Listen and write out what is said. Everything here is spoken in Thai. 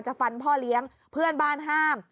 ฟันพ่อเลี้ยงเพื่อนบ้านห้าม